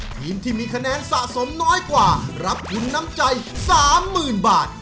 ทีมที่มีคะแนนสะสมน้อยกว่ารับทุนน้ำใจ๓๐๐๐บาท